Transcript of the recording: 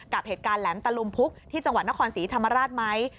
กับเหตุการณ์แหลมตะลุมพุกที่จังหวัดนครศรีธรรมราชไหม